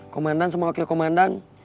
komandan sama wakil komandan